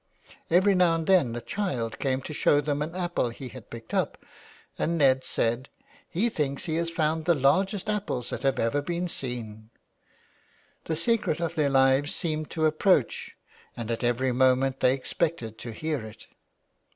Every now and then the child came to show them an apple he had picked up, and Ned said :" He thinks he has found the largest apples that have ever been seen." The secret of their lives seemed to approach and at every moment they expected to hear it.